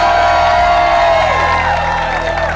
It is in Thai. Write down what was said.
สวัสดีครับ